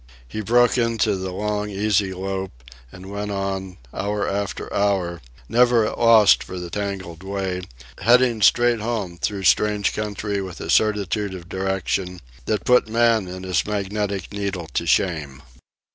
He broke into the long easy lope, and went on, hour after hour, never at loss for the tangled way, heading straight home through strange country with a certitude of direction that put man and his magnetic needle to shame.